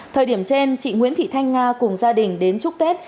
thời điểm trên chị nguyễn thị thanh nga cùng gia đình đến chúc tết